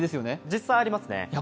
実際ありますね。